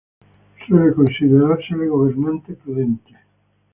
Suele considerársele gobernante prudente.